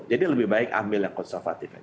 jadi lebih baik ambil yang konservatif